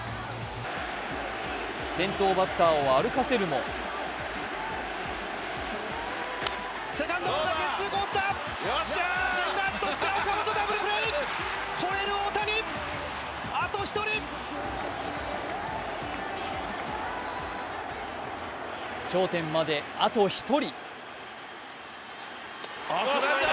先頭バッターを歩かせるも頂点まであと１人。